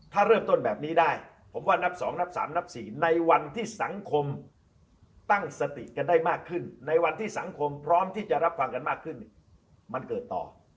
ถ้าเริ่มต้นแบบนี้ได้ผมว่านับ๒นับ๓นับ๔ในวันที่สังคมตั้งสติกันได้มากขึ้นในวันที่สังคมพร้อมที่จะรับฟังกันมากขึ้นมันเกิดต่อ